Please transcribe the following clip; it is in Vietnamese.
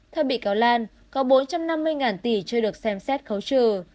theo bị cáo lan có bốn trăm năm mươi tỷ chưa được xem xét khấu trừ